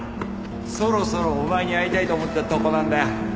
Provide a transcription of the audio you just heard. そろそろお前に会いたいと思ってたとこなんだよ。